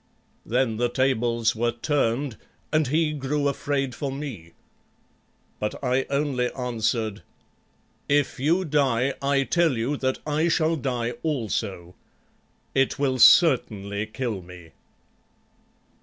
Then the tables were turned and he grew afraid for me. But I only answered, "If you die I tell you that I shall die also. It will certainly kill me."